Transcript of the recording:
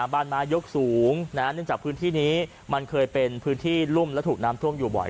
บ้านไม้ยกสูงเนื่องจากพื้นที่นี้มันเคยเป็นพื้นที่รุ่มและถูกน้ำท่วมอยู่บ่อย